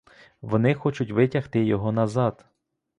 Вони хочуть витягти його назад!